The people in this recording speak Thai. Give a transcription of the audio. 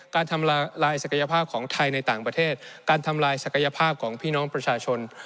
การทำลายศักยภาพของไทยในต่างประเทศการทำลายศักยภาพของพี่น้องประชาชน